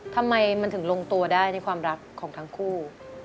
ทำไมมันถึงลงตัวได้ในความรักของทั้งคู่